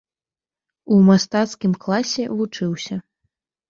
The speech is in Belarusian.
У мастацкім класе вучыўся.